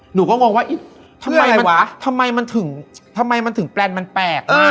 หนูก็งงว่าทำไมมันถึงแปลกมาก